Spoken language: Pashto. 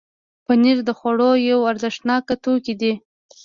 پنېر د خوړو یو ارزښتناک توکی دی.